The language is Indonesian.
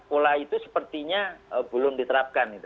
pola itu sepertinya belum diterapkan